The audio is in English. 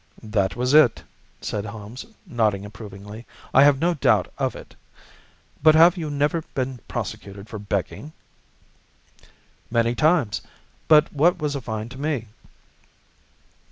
"That was it," said Holmes, nodding approvingly; "I have no doubt of it. But have you never been prosecuted for begging?" "Many times; but what was a fine to me?"